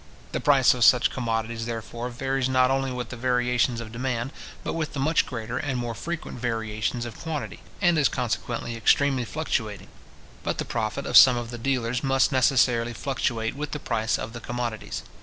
The price of such commodities, therefore, varies not only with the variations of demand, but with the much greater and more frequent variations of quantity, and is consequently extremely fluctuating; but the profit of some of the dealers must necessarily fluctuate with the price of the commodities.